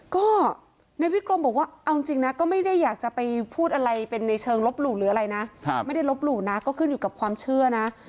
ก็นายวิกรมบอกว่าเอาจริงนะก็ไม่ได้อยากจะไปพูดอะไรเป็นในเชิงลบหลู่หรืออะไรนะไม่ได้ลบหลู่นะก็ขึ้นอยู่กับความเชื่อนะ